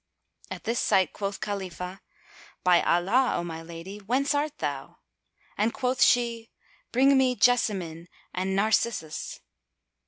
At this sight quoth Khalifah, "By Allah, O my lady, whence art thou?"; and quoth she, "Bring me Jessamine, and Narcissus."